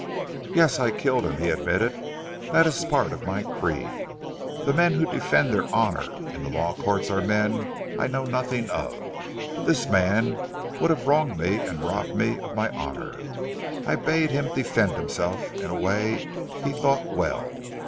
"Yes, I killed him," he admitted. "That is part of my creed. The men who defend their honour in the Law Courts are men I know nothing of. This man would have wronged me and robbed me of my honour. I bade him defend himself in any way he thought well.